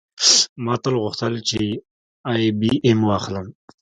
ما تل غوښتل چې آی بي ایم واخلم